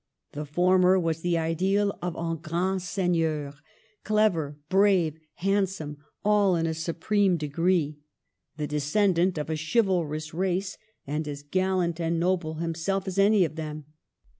The former was the ideal of a. grand seigneur, clever, brave, handsome, all in a supreme degree; the descendant of a chivalrous race, and as gallant and noble himself as any of them.